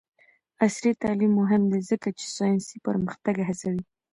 عصري تعلیم مهم دی ځکه چې ساینسي پرمختګ هڅوي.